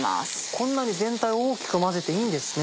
こんなに全体大きく混ぜていいんですね。